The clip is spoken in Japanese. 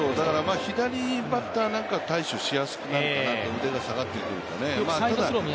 左バッターなんかは対処しやすくなるかなと腕が下がってくるとね。